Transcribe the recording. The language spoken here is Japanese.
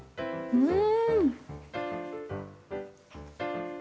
うん。